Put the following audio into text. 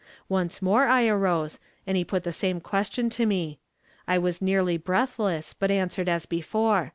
Once more I arose, and he put the same question to me. I was nearly breathless, but answered as before.